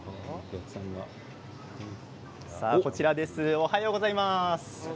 おはようございます。